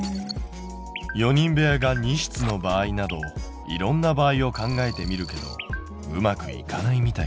４人部屋が２室の場合などいろんな場合を考えてみるけどうまくいかないみたい。